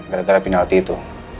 gara gara penalti itu